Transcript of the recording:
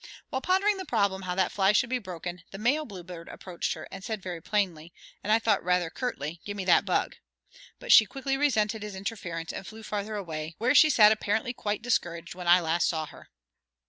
While pondering the problem how that fly should be broken, the male bluebird approached her, and said very plainly, and I thought rather curtly, "Give me that bug," but she quickly resented his interference and flew farther away, where she sat apparently quite discouraged when I last saw her.